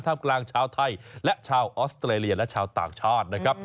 ท่ามกลางชาวไทยและชาวออสเตรเลียและชาวต่างชาติ